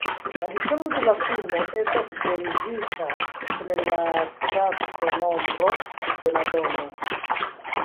La titolo de la filmo estas derivita el la stratonombro de la domo.